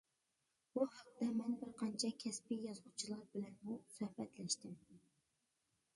بۇ ھەقتە مەن بىر قانچە كەسپىي يازغۇچىلار بىلەنمۇ سۆھبەتلەشتىم.